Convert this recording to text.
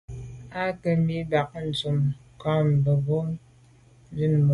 À ke mi meke’ mbàb ntùn à kàm mebwô il mache bien.